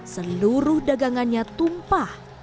seluruh dagangannya tumpah